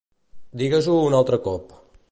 Digues-ho un altre cop.